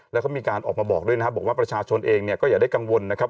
แล้วก็มีการออกมาบอกด้วยนะครับบอกว่าประชาชนเองเนี่ยก็อย่าได้กังวลนะครับ